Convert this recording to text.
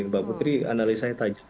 mbak putri analis saya tajam